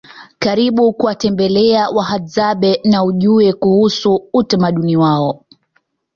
Karibu kuwatemelea Wahadzabe na ujue kuusu utamaduni wao